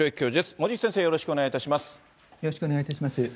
森内先生、よろしくお願いいたします。